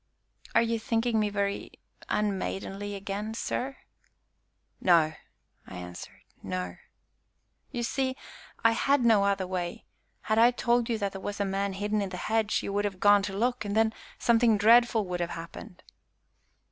"Are you thinking me very unmaidenly again, sir?" "No," I answered; "no." "You see, I had no other way. Had I told you that there was a man hidden in the hedge you would have gone to look, and then something dreadful would have happened."